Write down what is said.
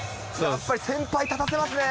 やっぱり先輩、立たせますね。